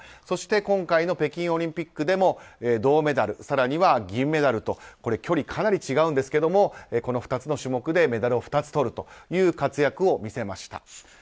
そして今回の北京オリンピックでも銅メダル更には銀メダルと距離がかなり違うんですがこの２つの種目でメダルを２つとる活躍を見せました。